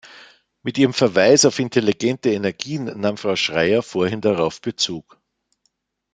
Mit ihrem Verweis auf intelligente Energien nahm Frau Schreyer vorhin darauf Bezug.